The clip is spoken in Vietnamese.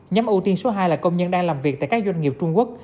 nhóm ưu tiên số hai là công nhân đang làm việc tại các doanh nghiệp trung quốc